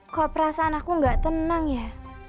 kok perasaan aku gak tenang ya